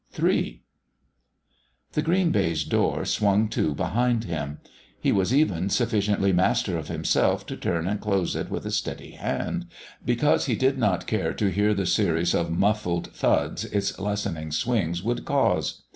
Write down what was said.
3 The green baize door swung to behind him; he was even sufficiently master of himself to turn and close it with a steady hand, because he did not care to hear the series of muffled thuds its lessening swings would cause.